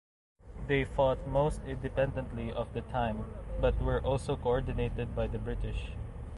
They fought most independently of the time, but were also co-ordinated by the British.